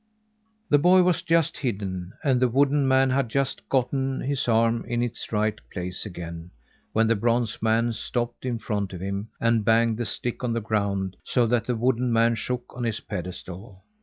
The boy was just hidden, and the wooden man had just gotten his arm in its right place again, when the bronze man stopped in front of him and banged the stick on the ground, so that the wooden man shook on his pedestal.